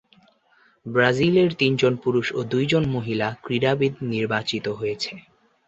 ব্রাজিলের তিনজন পুরুষ ও দুইজন মহিলা ক্রীড়াবিদ নির্বাচিত হয়েছে।